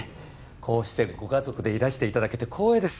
こうしてご家族でいらしていただけて光栄です